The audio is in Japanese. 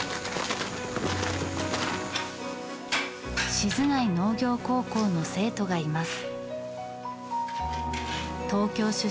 静内農業高校の生徒がいます。